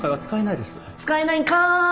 使えないんかーい！